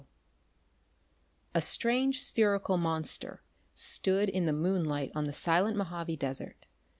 ] A strange spherical monster stood in the moonlight on the silent Mojave Desert.